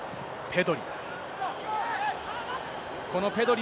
ペドリ。